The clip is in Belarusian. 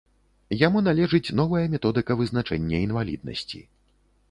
Яму належыць новая методыка вызначэння інваліднасці.